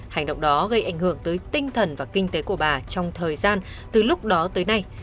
hành động đó gây ảnh hưởng tới tinh thần và kinh tế của bà trong thời gian từ lúc đó tới nay